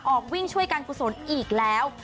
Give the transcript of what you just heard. ออกวิ่งช่วยการกุศลอีกแล้ว